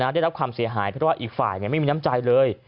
ได้รับความเสียหายเพราะว่าอีกฝ่ายไม่มีน้ำใจเลย